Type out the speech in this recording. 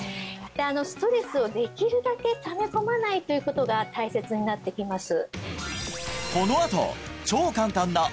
ストレスをできるだけため込まないということが大切になってきます